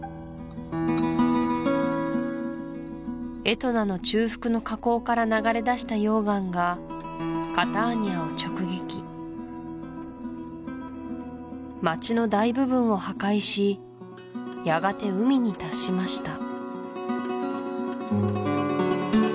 エトナの中腹の火口から流れ出した溶岩がカターニアを直撃街の大部分を破壊しやがて海に達しました